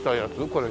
これ。